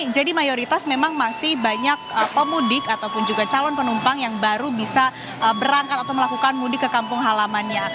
jadi mayoritas memang masih banyak pemudik ataupun juga calon penumpang yang baru bisa berangkat atau melakukan mudik ke kampung halamannya